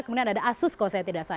kemudian ada asus kalau saya tidak salah